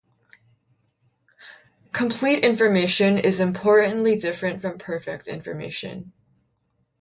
Complete information is importantly different from perfect information.